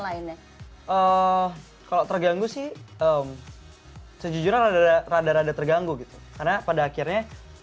lainnya kalau terganggu sih sejujuran ada rada rada terganggu gitu karena pada akhirnya